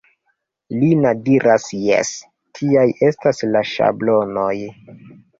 Lina diras, Jes, tiaj estas la ŝablonoj.